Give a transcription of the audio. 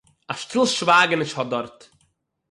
א שטיל שווייגניש האט דארט